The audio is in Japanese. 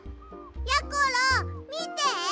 やころみて！